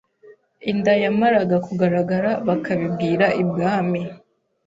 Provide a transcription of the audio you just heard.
inda yamaraga kugaragara bakabibwira ibwami